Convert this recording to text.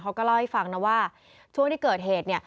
เขาก็เล่าให้ฟังนะว่าช่วงที่เกิดเหตุ